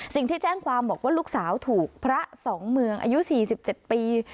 สิ่งที่แจ้งความบอกว่าลูกสาวถูกพระสองเมืองอายุ๔๗ปี